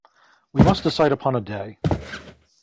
We must decide upon a day.